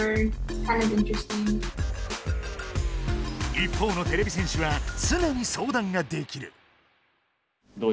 一方のてれび戦士はつねにそうだんができる。